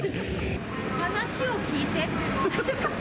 話を聞いてって。